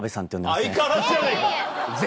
相変わらずじゃねえか！